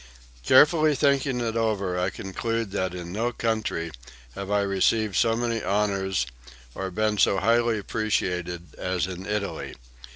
"Carefully thinking it over I conclude that in no country have I received so many honors or been so highly appreciated as in Italy.